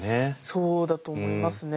そうだと思いますね。